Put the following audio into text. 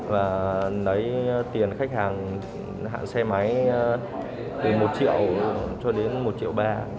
và lấy tiền khách hàng hạng xe máy từ một triệu cho đến một triệu ba